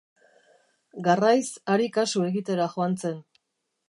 Garraiz hari kasu egitera joan zen.